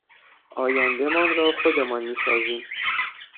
آیندهمان را خودمان میسازیم